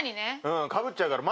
かぶっちゃうから。